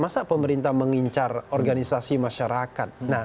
masa pemerintah mengincar organisasi masyarakat